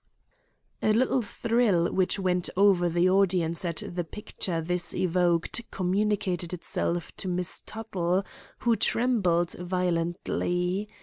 A little thrill which went over the audience at the picture this evoked communicated itself to Miss Tuttle, who trembled violently.